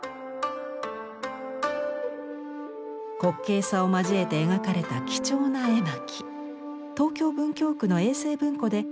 滑稽さを交えて描かれた貴重な絵巻。